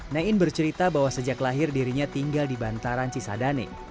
nein bercerita bahwa sejak lahir dirinya tinggal di bantaran cisadane